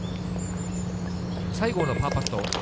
西郷のパーパット。